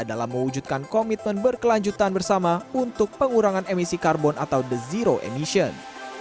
dalam mewujudkan komitmen berkelanjutan bersama untuk pengurangan emisi karbon atau the zero emission